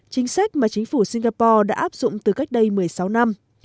chính sách mà chính phủ singapore đã áp dụng từ cách đây một mươi sáu năm